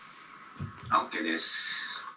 「ＯＫです」。